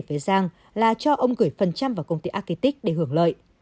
với giang là cho ông gửi phần trăm vào công ty agitic để hưởng lợi